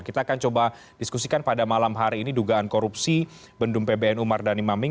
kita akan coba diskusikan pada malam hari ini dugaan korupsi bendum pbnu mardani maming